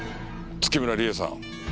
月村理絵さん。